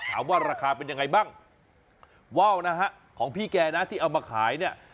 ถามว่าราคาเป็นยังไงบ้างว่าวนะฮะของพี่แกนะที่เอามาขายเนี่ย